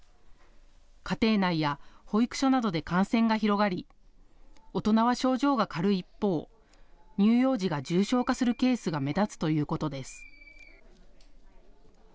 家庭内や保育所などで感染が広がり、大人は症状が軽い一方、乳幼児が重症化するケースが目立つということです。